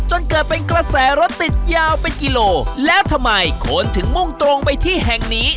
จนเกิดเป็นกระแสรถติดยาวเป็นกิโลแล้วทำไมคนถึงมุ่งตรงไปที่แห่งนี้